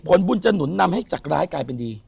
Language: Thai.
ผลบุญจะหนุนนำให้จากร้ายกลายเป็นดี